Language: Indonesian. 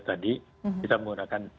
tadi kita menggunakan